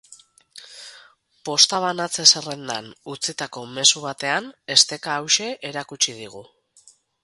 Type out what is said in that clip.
Posta banatze-zerrendan utzitako mezu batean esteka hauxe erakutsi digu.